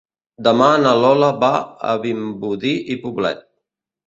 Demà na Lola va a Vimbodí i Poblet.